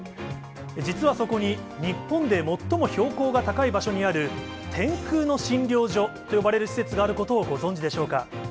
実はそこに、日本で最も標高が高い場所にある天空の診療所と呼ばれる施設があることをご存じでしょうか。